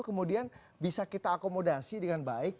kemudian bisa kita akomodasi dengan baik